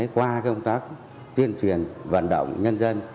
qua công tác tuyên truyền vận động nhân dân